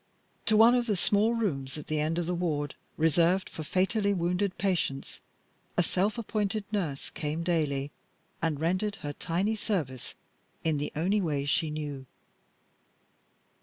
To one of the small rooms at the end of the ward reserved for fatally wounded patients a self appointed nurse came daily, and rendered her tiny service in the only way she knew.